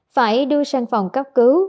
phải đưa sang phòng cấp cứu